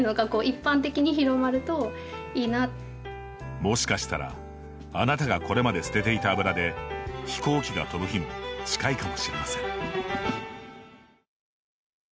もしかしたら、あなたがこれまで捨てていた油で飛行機が飛ぶ日も近いかもしれません。